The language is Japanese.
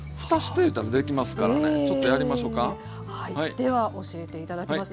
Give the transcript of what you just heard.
では教えて頂きます。